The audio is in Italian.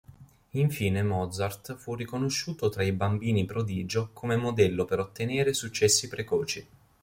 Infine Mozart fu riconosciuto tra i bambini prodigio come modello per ottenere successi precoci.